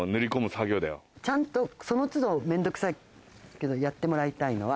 ちゃんとその都度面倒くさいけどやってもらいたいのは。